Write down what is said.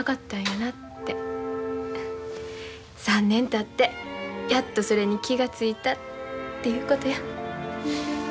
３年たってやっとそれに気が付いたっていうことや。